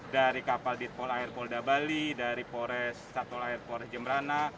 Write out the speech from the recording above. dari kapal ditpol air polda bali dari satol air pores jembrana